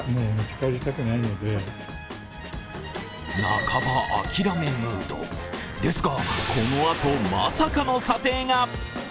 半ば諦めムードですが、このあとまさかの査定が！